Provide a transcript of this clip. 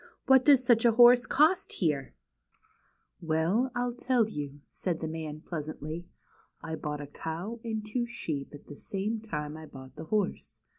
" What does such a horse cost here ?" "Well, I'll tell you," said the man, pleasantly. "I bought a cow and two sheep at the same time I bought the horse.